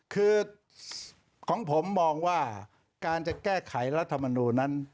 คือของผมมองว่าการจะแก้ไขรัฐมนูลนั้น